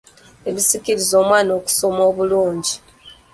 Ebisikiriza omwana okusoma obulungi.